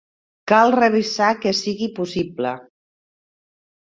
Cal revisar que sigui possible.